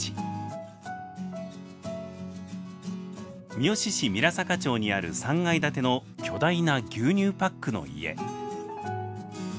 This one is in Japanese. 三次市三良坂町にある３階建ての巨大な牛乳パックの家。